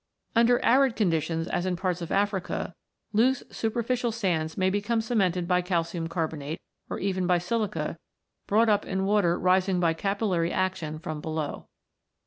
Under arid conditions, as in parts of Africa, loose superficial sands may become cemented by calcium carbonate, or even by silica, brought up in water rising by capillary action from below.